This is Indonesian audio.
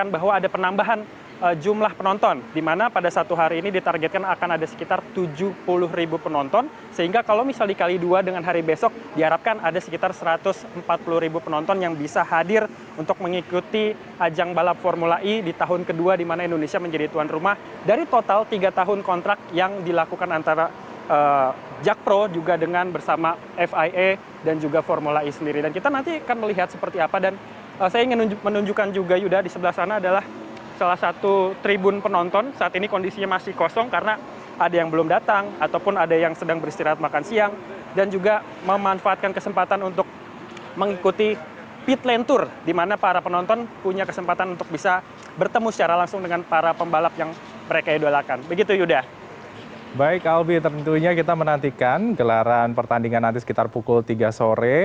baik albi tentunya kita menantikan gelaran pertandingan nanti sekitar pukul tiga sore